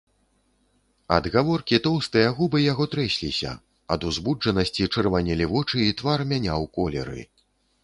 Ад гаворкі тоўстыя губы яго трэсліся, ад узбуджанасці чырванелі вочы і твар мяняў колеры.